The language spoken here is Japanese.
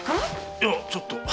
いやちょっと。